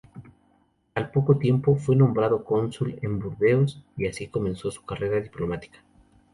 Al poco tiempo, fue nombrado Cónsul en Burdeos y así comenzó su carrera diplomática.